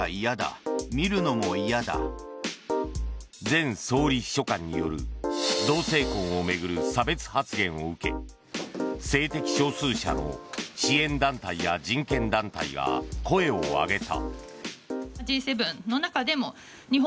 前総理秘書官による同性婚を巡る差別発言を受け性的少数者の支援団体や人権団体が声を上げた。